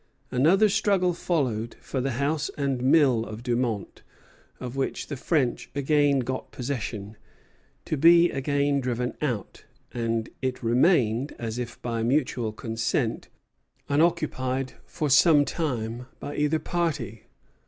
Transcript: Another struggle followed for the house and mill of Dumont, of which the French again got possession, to be again driven out; and it remained, as if by mutual consent, unoccupied for some time by either party.